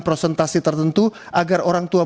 presentasi tertentu agar orang tua